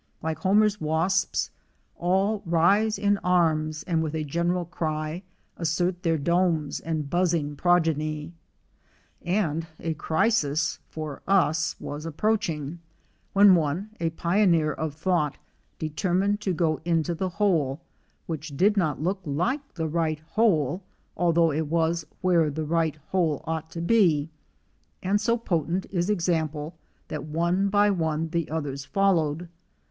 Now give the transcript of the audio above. Like Homer's wasps, " All rise in arms and with a general cry Assert their domes and buzzing progeny," and a crisis (for us) was approaching, when one, a pioneer of thought, determined to go into the hole, which did not look like the right hole, although it was where the right hole ought to be; and so potent is example that one by one the others followed.